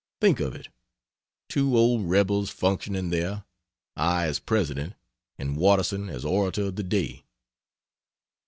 Think of it two old rebels functioning there I as President, and Watterson as Orator of the Day!